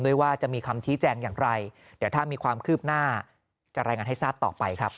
ว่าจะมีคำชี้แจงอย่างไรเดี๋ยวถ้ามีความคืบหน้าจะรายงานให้ทราบต่อไปครับ